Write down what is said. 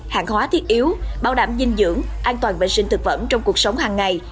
hàng hóa thiết yếu bảo đảm dinh dưỡng an toàn vệ sinh thực phẩm trong cuộc sống hàng ngày